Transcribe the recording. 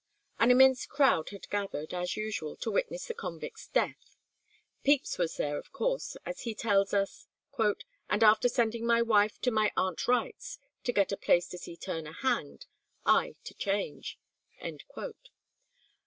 An immense crowd had gathered, as usual, to witness the convict's death. Pepys was there of course, as he tells us; "and after sending my wife to my Aunt Wright's, to get a place to see Turner hanged, I to Change."